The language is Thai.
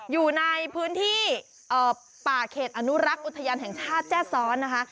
อยู่ในพื้นที่ป่าเขตอนุรักษ์อุทยานแห่งชาติแจ้ซ้อนนะคะ